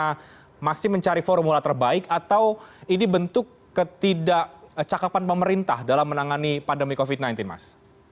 apakah masih mencari formula terbaik atau ini bentuk ketidakcakapan pemerintah dalam menangani pandemi covid sembilan belas mas